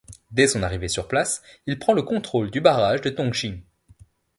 Dés son arrivée sur place, il prend le contrôle du barrage de Dongxing.